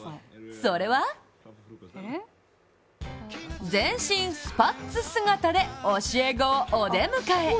それは全身スパッツ姿で教え子をお出迎え。